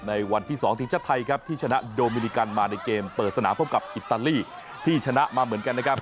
ในวันที่๒ทีมชาติไทยครับที่ชนะโดมินิกันมาในเกมเปิดสนามพบกับอิตาลีที่ชนะมาเหมือนกันนะครับ